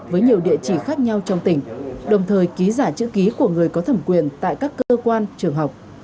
với nhiều địa chỉ khác nhau trong tỉnh đồng thời ký giả chữ ký của người có thẩm quyền tại các cơ quan trường học